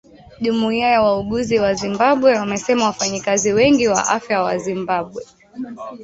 Jumuiya ya wauguzi wa Zimbabwe wamesema wafanyakazi wengi wa afya wa Zimbabwe